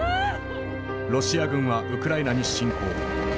ロシア軍はウクライナに侵攻。